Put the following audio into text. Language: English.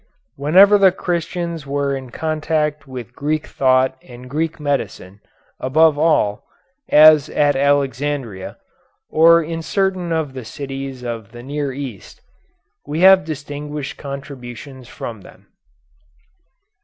Whenever the Christians were in contact with Greek thought and Greek medicine, above all, as at Alexandria, or in certain of the cities of the near East, we have distinguished contributions from them.